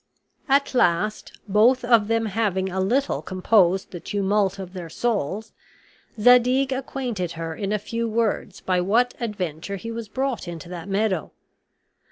At last, both of them having a little composed the tumult of their souls, Zadig acquainted her in a few words by what adventure he was brought into that meadow.